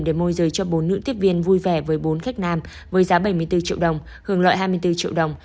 để môi giới cho bốn nữ tiếp viên vui vẻ với bốn khách nam với giá bảy mươi bốn triệu đồng hưởng lợi hai mươi bốn triệu đồng